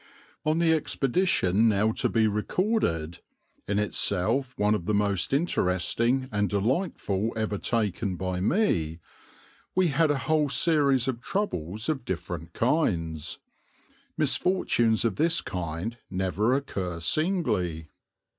On the expedition now to be recorded, in itself one of the most interesting and delightful ever taken by me, we had a whole series of troubles of different kinds misfortunes of this kind never occur singly.